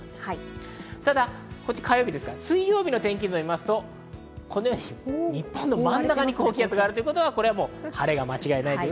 水曜日の天気図を見ますと、このように日本の真ん中に高気圧があるということは晴れが間違いない。